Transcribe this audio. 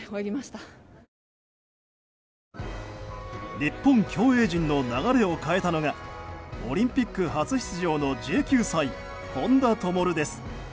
日本競泳陣の流れを変えたのがオリンピック初出場の１９歳本多灯です。